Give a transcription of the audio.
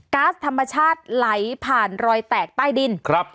๊าซธรรมชาติไหลผ่านรอยแตกใต้ดินครับ